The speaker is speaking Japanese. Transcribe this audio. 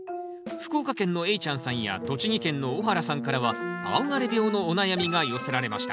福岡県のえいちゃんさんや栃木県の小原さんからは青枯病のお悩みが寄せられました。